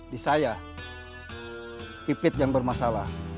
di saya pipit yang bermasalah